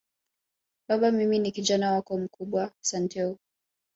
Baba mimi ni Kijana wako mkubwa Santeu